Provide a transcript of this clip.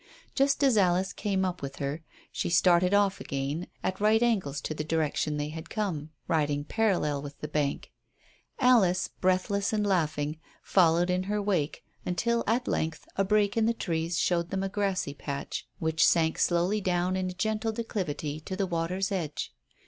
Just as Alice came up with her she started off again at right angles to the direction they had come, riding parallel with the bank. Alice, breathless and laughing, followed in her wake, until at length a break in the trees showed them a grassy patch which sank slowly down in a gentle declivity to the water's edge.